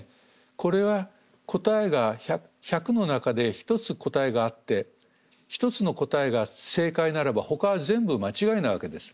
これは答えが１００の中で１つ答えがあって１つの答えが正解ならばほかは全部間違いなわけです。